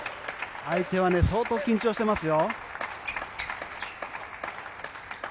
相手は相当緊張していますよ。